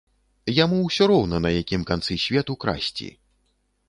Яму ўсё роўна, на якім канцы свету красці.